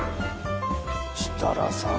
設楽さん